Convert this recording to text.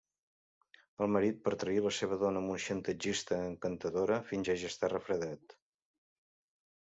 El marit, per trair la seva dona amb un xantatgista encantadora, fingeix estar refredat.